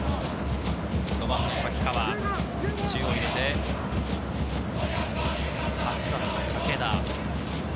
５番の瀧川、中央に入れて、８番の武田。